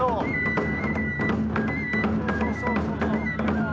そうそうそうそうそう。